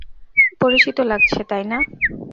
পরিচিত লাগছে তাই না?